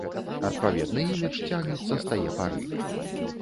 Адпаведны імідж цягнецца з тае пары.